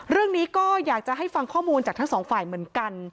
เรื่องนี้ก็อยากจะให้ฟังข้อมูลจากทั้งสองฝ่ายเหมือนกัน